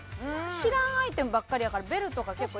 知らんアイテムばっかりやからベルとか結構。